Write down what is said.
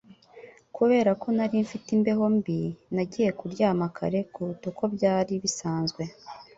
Kubera ko nari mfite imbeho mbi, nagiye kuryama kare kuruta uko byari bisanzwe.